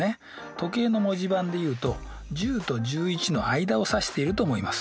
時計の文字盤で言うと１０と１１の間を指していると思います。